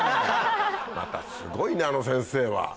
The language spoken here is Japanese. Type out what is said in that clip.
またすごいねあの先生は。